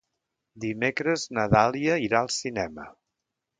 Dimecres na Dàlia irà al cinema.